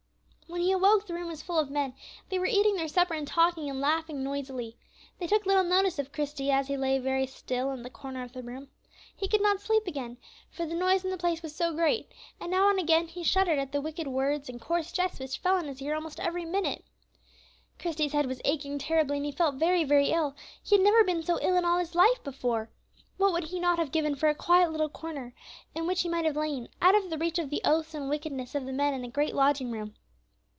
When he awoke, the room was full of men; they were eating their supper, and talking and laughing noisily. They took little notice of Christie, as he lay very still in the corner of the room. He could not sleep again, for the noise in the place was so great, and now and again he shuddered at the wicked words and coarse jests which fell on his ear almost every minute. Christie's head was aching terribly, and he felt very, very ill; he had never been so ill in his life before. What would he not have given for a quiet little corner, in which he might have lain, out of the reach of the oaths and wickedness of the men in the great lodging room!